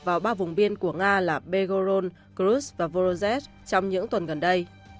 vào ba vùng biên của nga là begorod khrushchev và vorozhetsk trong những tuần gần đây